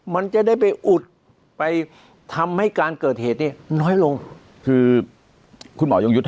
มันจะได้ไปอุดไปทำให้การเกิดเหตุเนี่ยน้อยลงคือคุณหมอยงยุทธ์